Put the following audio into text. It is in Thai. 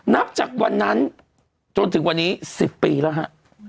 นับจากวันนั้นจนถึงวันนี้๑๐ปีแล้วฮะ